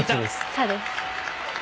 そうです。